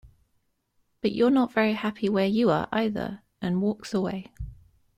But you're not very happy where you are, either, and walks away.